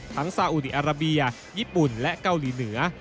ซาอุดีอาราเบียญี่ปุ่นและเกาหลีเหนือ